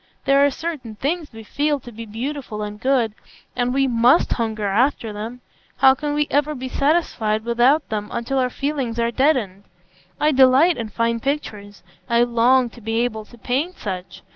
There are certain things we feel to be beautiful and good, and we must hunger after them. How can we ever be satisfied without them until our feelings are deadened? I delight in fine pictures; I long to be able to paint such.